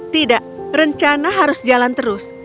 tidak rencana harus jalan terus